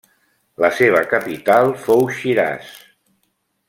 La seva capital fou Shiraz.